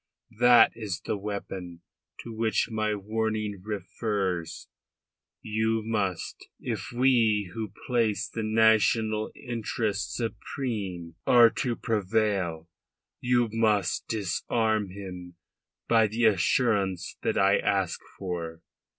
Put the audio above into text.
That is the weapon to which my warning refers. You must if we who place the national interest supreme are to prevail you must disarm him by the assurance that I ask for.